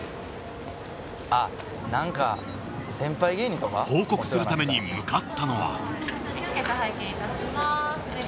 あっなんか先輩芸人とか？報告するために向かったのは。